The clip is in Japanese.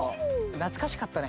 懐かしかったね。